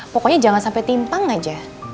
pokoknya jangan sampai timpang aja